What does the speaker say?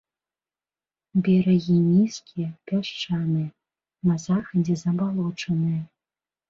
Берагі нізкія, пясчаныя, на захадзе забалочаныя.